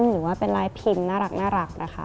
หรือว่าเป็นลายพิมพ์น่ารักนะคะ